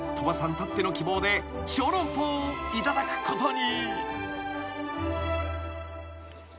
たっての希望で小籠包をいただくことに］